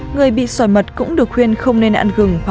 người bị sỏi mật cũng được khuyên không nên ăn gừng